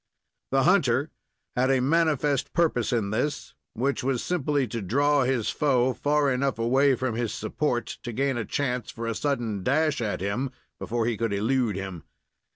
The hunter had a manifest purpose in this, which was simply to draw his foe far enough away from his support to gain a chance for a sudden dash at him before he could elude him.